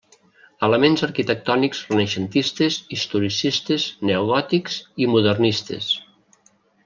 Elements arquitectònics renaixentistes, historicistes, neogòtics i modernistes.